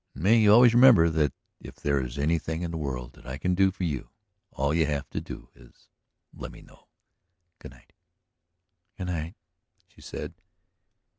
And may you always remember that if there is anything in the world that I can do for you all you have to do is let me know. Good night." "Good night," she said.